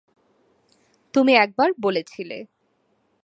তুমি একবার বলেছিলে।